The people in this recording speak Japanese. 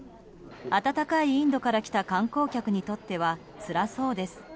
暖かいインドから来た観光客にとってはつらそうです。